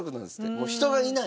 もう人がいない。